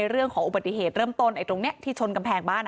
เรื่องของอุบัติเหตุเริ่มต้นตรงนี้ที่ชนกำแพงบ้าน